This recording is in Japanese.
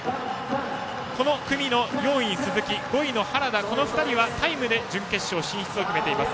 この組の４位の鈴木と５位の原田この２人は、タイムで準決勝進出を決めています。